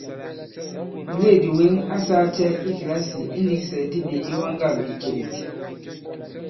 Mùleèdì wěŋ a sāā cɛ i kìlasì iniksɛ̀gɛ̀di ɓě iwaŋgâk nì ìcèlèk ?